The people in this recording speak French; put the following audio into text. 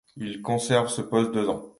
Il conserve ce poste deux ans.